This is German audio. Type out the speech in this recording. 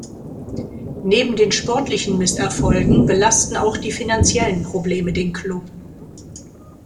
Neben den sportlichen Misserfolgen belasten auch die finanziellen Probleme den Klub.